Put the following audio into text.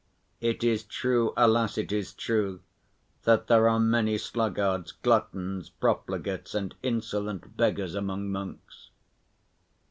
It is true, alas, it is true, that there are many sluggards, gluttons, profligates and insolent beggars among monks.